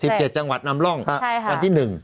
ทีนี้อ่ะก่อน๑๗จังหวัดนำร่องอันที่๑